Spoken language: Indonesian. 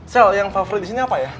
sel yang favorit disini apa ya